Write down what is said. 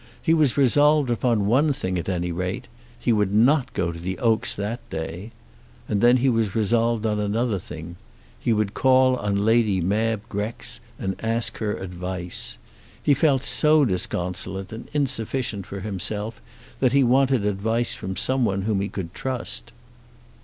He was resolved upon one thing at any rate. He would not go to the Oaks that day. And then he was resolved on another thing. He would call on Lady Mab Grex and ask her advice. He felt so disconsolate and insufficient for himself that he wanted advice from someone whom he could trust.